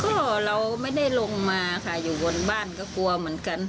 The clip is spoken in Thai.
ก็เราไม่ได้ลงมาค่ะอยู่บนบ้านก็กลัวเหมือนกัน